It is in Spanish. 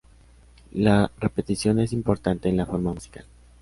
La repetición es importante en la forma musical.